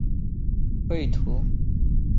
除了绘图之外有的以照片和文字说明呈现。